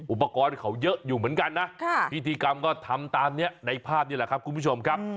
อุปกรณ์เขาเยอะอยู่เหมือนกันนะพิธีกรรมก็ทำตามนี้ในภาพนี่แหละครับคุณผู้ชมครับ